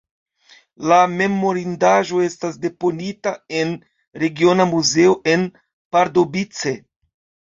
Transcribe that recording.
La memorindaĵo estas deponita en regiona muzeo en Pardubice.